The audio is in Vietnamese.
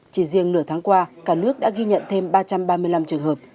chỉ riêng nửa tháng qua cả nước đã ghi nhận thêm ba trăm ba mươi năm trường hợp